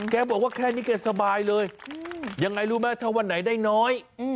แกบอกว่าแค่นี้แกสบายเลยยังไงรู้ไหมถ้าวันไหนได้น้อย